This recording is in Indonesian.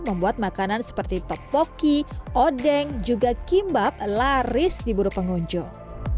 membuat makanan seperti topoki odeng juga kimbab laris di buruk pengunjung